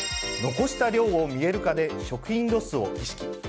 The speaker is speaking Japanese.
残した量を見える化で食品ロスを意識。